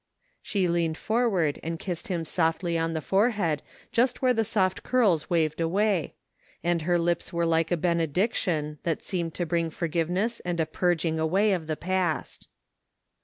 '* She leaned forward and kissed him softly on the forehead just where the soft curls waved away; and her lips were like a benediction, that seemed to bring forgiveness and a purging away of the past.